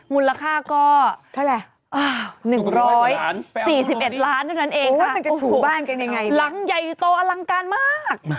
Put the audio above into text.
มูลค่าก็อ้าว๑๔๑ล้านเท่านั้นเองค่ะโอ้โหหลังใหญ่โตอลังการมาก